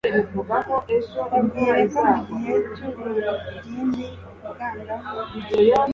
babwire ko mu gihe cy'ubugimbi ubwangavu